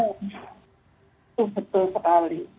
tuh betul sekali